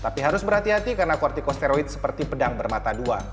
tapi harus berhati hati karena kortiko steroid seperti pedang bermata dua